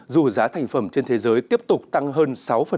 dù giá thành phẩm trên thế giới tiếp tục tăng hơn sáu